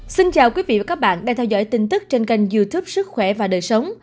xin chào quý vị và các bạn đang theo dõi tin tức trên kênh youtube sức khỏe và đời sống